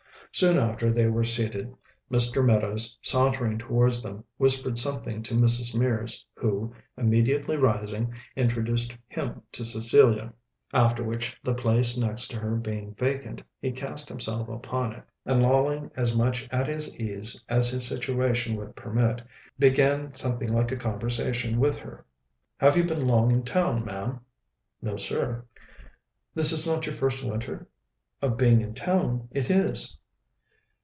Soon after they were seated, Mr. Meadows, sauntering towards them, whispered something to Mrs. Mears, who, immediately rising, introduced him to Cecilia; after which, the place next to her being vacant, he cast himself upon it, and lolling as much at his ease as his situation would permit, began something like a conversation with her. "Have you been long in town, ma'am?" "No, sir." "This is not your first winter?" "Of being in town, it is."